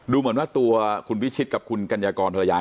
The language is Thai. เหมือนว่าตัวคุณพิชิตกับคุณกัญญากรภรรยา